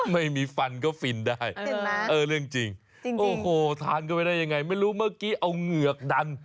ไม่เกือบก็ถูกเอาเองข้าครับ